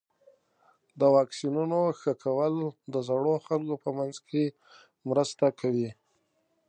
د واکسینونو ښه کول د زړو خلکو په منځ کې مرسته کوي.